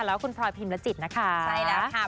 แล้วก็คุณพลอยพิมรจิตนะคะใช่แล้วค่ะ